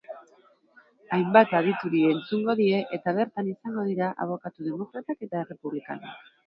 Hainbat adituri entzungo die, eta bertan izango dira abokatu demokratak eta errepublikanoak.